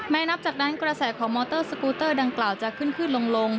นับจากนั้นกระแสของมอเตอร์สกูเตอร์ดังกล่าวจะขึ้นขึ้นลง